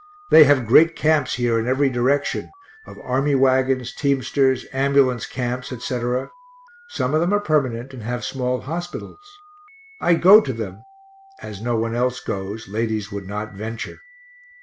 They have great camps here in every direction, of army wagons, teamsters, ambulance camps, etc.; some of them are permanent, and have small hospitals. I go to them (as no one else goes; ladies would not venture).